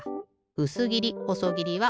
うすぎりほそぎりは